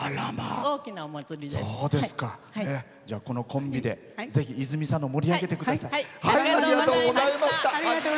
コンビでぜひ、泉佐野盛り上げてください。